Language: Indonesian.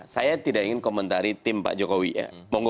saya tidak ingin komentari tim pak jokowi ya